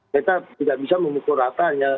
kita tidak bisa memukul ratanya